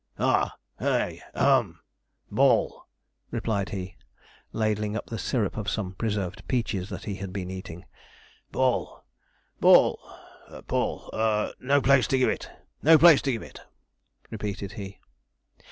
'Ah, hay, hum ball,' replied he, ladling up the syrup of some preserved peaches that he had been eating; 'ball, ball, ball. No place to give it no place to give it,' repeated he.